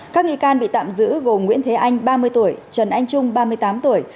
các nghi can bị tạm giữ gồm nguyễn thế anh ba mươi tuổi trần anh trung ba mươi tám tuổi